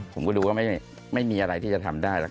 ผมก็ดูว่าไม่ไม่มีอะไรที่จะทำได้